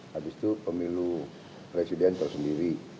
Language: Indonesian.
habis itu pemilu residential sendiri